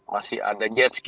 masih ada jet